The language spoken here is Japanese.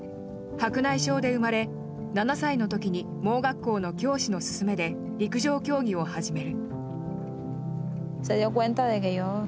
白内障で生まれ８歳のときに盲学校の教師のすすめで陸上競技を始める。